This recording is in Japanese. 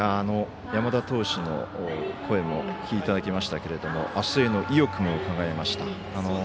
山田投手の声もお聞きいただきましたけれどもあすへの意欲もうかがえました。